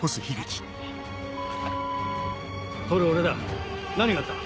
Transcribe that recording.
透俺だ何があった？